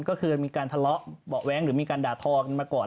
ก็คือมีการทะเลาะเบาะแว้งหรือมีการด่าทอกันมาก่อน